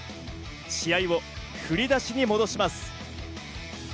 試合を振り出しに戻します。